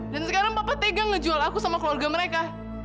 dan sekarang papa tegang ngejual aku sama keluarga mereka